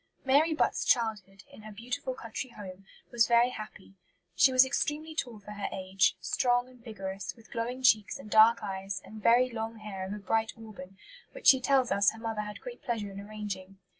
Mary Butt's childhood, in her beautiful country home, was very happy. She was extremely tall for her age, strong and vigorous, with glowing cheeks and dark eyes and "very long hair of a bright auburn," which she tells us her mother had great pleasure in arranging.